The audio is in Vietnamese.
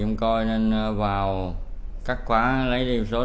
chúng tôi có vui cho mình thức cái th haft rồi